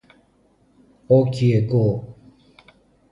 Όκι εγκώ!